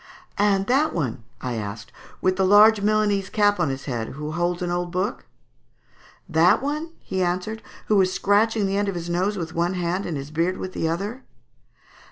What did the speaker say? "And that one," I asked, "with the large Milanese cap on his head, who holds an old book?" "That one," he answered, "who is scratching the end of his nose with one hand and his beard with the other?"